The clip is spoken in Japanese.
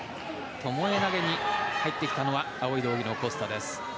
ともえ投げに入ってきたのは青い道着のコスタです。